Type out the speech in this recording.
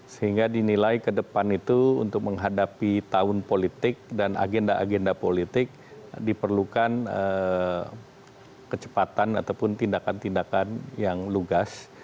sehingga dinilai ke depan itu untuk menghadapi tahun politik dan agenda agenda politik diperlukan kecepatan ataupun tindakan tindakan yang lugas